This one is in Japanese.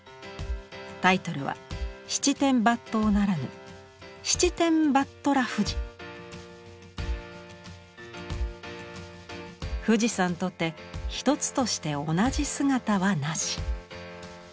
タイトルは「七転八倒」ならぬ「七転八虎富士」。富士山とて一つとして同じ姿はなし。